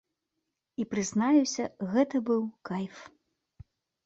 І, прызнаюся, гэта быў кайф!